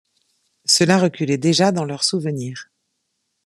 Cela reculait déjà dans leurs souvenirs.